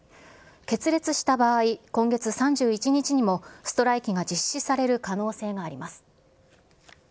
決裂した場合、今月３１日にも、ストライキが実施される可能性があります。